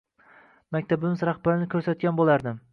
Maktabimiz rahbarini ko‘rsatgan bo‘lardim.